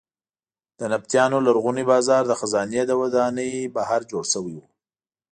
د نبطیانو لرغونی بازار د خزانې د ودانۍ بهر جوړ شوی و.